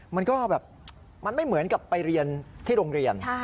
มันก็แบบมันไม่เหมือนกับไปเรียนที่โรงเรียน